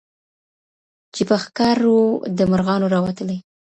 چي په ښکار و د مرغانو راوتلی